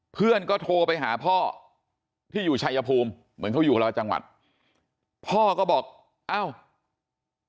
เพื่อนก็โทรไปหาพ่อที่อยู่ชายภูมิเหมือนเขาอยู่ราวจังหวัดเพื่อนก็โทรไปหาพ่อที่อยู่ชายภูมิเหมือนเขาอยู่ราวจังหวัด